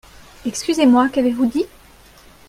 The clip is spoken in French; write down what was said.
Excusez-moi, qu'avez-vous dit ?